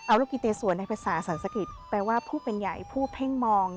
อาวุฬกิเตสวรในภาษาอาสังศกิตแปลว่าผู้เป็นไยผู้เพ่งมอง